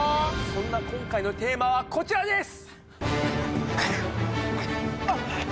そんな今回のテーマはこちらです！